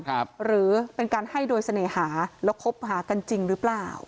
หรือเป็นการให้โดยเสน่หาแล้วคบหากันจริงหรือเปล่า